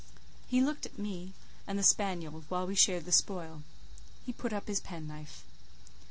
He looked at me and the spaniel while we shared the spoil; he put up his penknife.